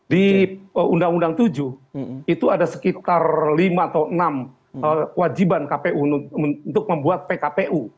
di undang undang tujuh itu ada sekitar lima atau enam wajiban kpu untuk membuat pkpu